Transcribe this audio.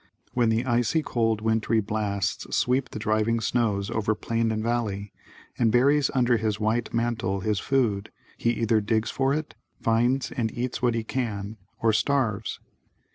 When the icy cold wintry blasts sweep the drifting snows over plain and valley and buries under his white mantle his food he either digs for it, finds and eats what he can, or starves.